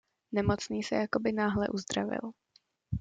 Nemocný se jakoby náhle uzdravil.